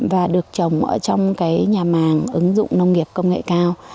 và được trồng ở trong cái nhà màng ứng dụng nông nghiệp công nghệ cao